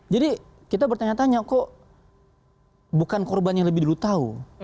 jadi kita bertanya tanya kok bukan korban yang lebih dulu tahu